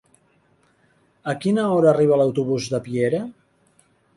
A quina hora arriba l'autobús de Piera?